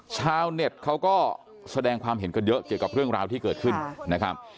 ชาวเน็ตเขาก็แสดงความเห็นกันเยอะเกี่ยวกับเรื่องราวที่เกิดขึ้นนะครับ